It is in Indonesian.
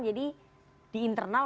jadi di internal